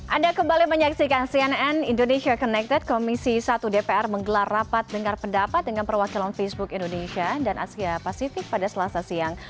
anda kembali menyaksikan cnn indonesia connected komisi satu dpr menggelar rapat dengar pendapat dengan perwakilan facebook indonesia dan asia pasifik pada selasa siang